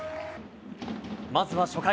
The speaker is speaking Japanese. まずは初回。